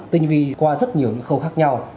tinh vi qua rất nhiều khâu khác nhau